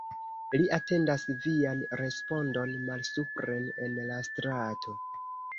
Li atendas vian respondon malsupren en la strato.